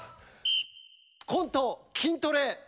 コント「筋トレ」。